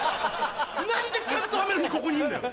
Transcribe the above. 何でちゃんと雨の日にここにいんのよ。